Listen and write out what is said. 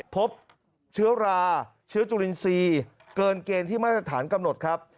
พบเชื้อราเชื้อจุลินทรีย์เกินเกณฑ์ที่มาตรฐานกำหนดครับ